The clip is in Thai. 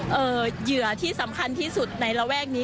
เหยื่อที่สำคัญที่สุดในระแวกนี้